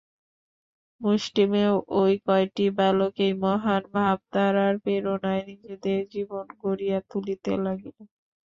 মুষ্টিমেয় ঐ কয়টি বালক এই মহান ভাবধারার প্রেরণায় নিজেদের জীবন গড়িয়া তুলিতে লাগিল।